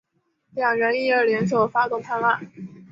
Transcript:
两人因而联手发动叛乱。